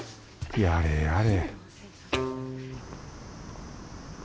やれやれ